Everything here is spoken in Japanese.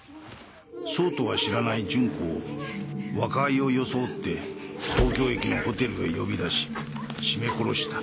そうとは知らない純子を和解を装って東京駅のホテルへ呼び出し絞め殺した。